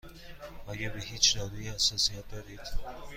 آیا به هیچ دارویی حساسیت دارید؟